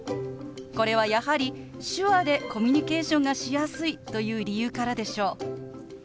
これはやはり手話でコミュニケーションがしやすいという理由からでしょう。